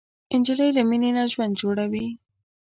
نجلۍ له مینې نه ژوند جوړوي.